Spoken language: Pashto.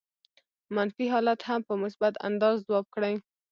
منفي حالات هم په مثبت انداز ځواب کړي.